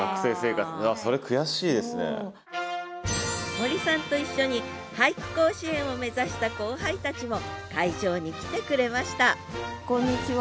森さんと一緒に俳句甲子園を目指した後輩たちも会場に来てくれましたこんにちは。